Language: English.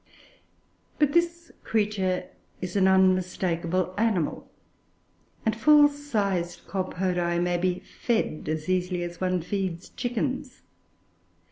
But this creature is an unmistakable animal, and full sized Colpodoe may be fed as easily as one feeds chickens.